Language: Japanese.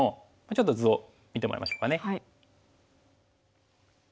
ちょっと図を見てもらいましょうかね。